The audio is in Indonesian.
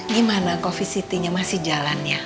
gimana covistitnya masih jalan ya